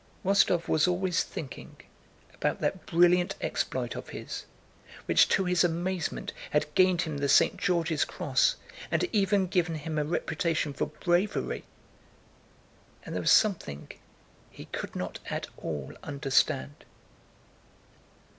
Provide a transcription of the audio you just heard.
Rostóv was always thinking about that brilliant exploit of his, which to his amazement had gained him the St. George's Cross and even given him a reputation for bravery, and there was something he could not at all understand.